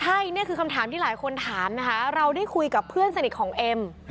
ใช่นี่คือคำถามที่หลายคนถามนะคะเราได้คุยกับเพื่อนสนิทของเอ็ม